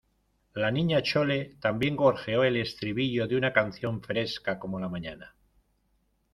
la Niña Chole también gorjeó el estribillo de una canción fresca como la mañana.